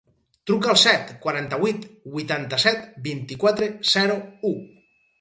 Truca al set, quaranta-vuit, vuitanta-set, vint-i-quatre, zero, u.